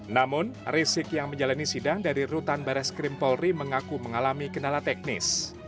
namun rizik yang menjalani sidang dari rutan baris krimpolri mengaku mengalami kenalah teknis